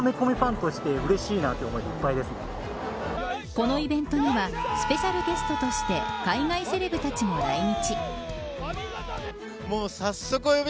このイベントにはスペシャルゲストとして海外セレブたちも来日。